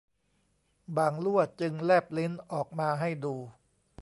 บ่างลั่วจึงแลบลิ้นออกมาให้ดู